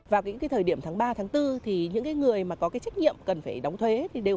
vào kỉ thời điểm tháng ba tháng bốn thì những người có trách nhiệm cần phải đóng thuế